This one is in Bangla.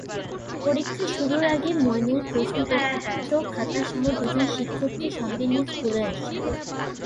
পরীক্ষা শুরুর আগে মইনুল প্রশ্নপত্র, খাতাসহ দুজন শিক্ষককে সঙ্গে নিয়ে স্কুলে আসেন।